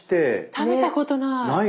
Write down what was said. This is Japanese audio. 食べたことない。